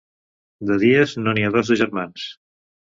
De dies no n'hi ha dos de germans.